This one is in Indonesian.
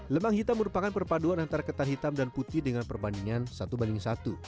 lemang hitam merupakan perpaduan antara ketan hitam dan putih dengan perbandingan satu banding satu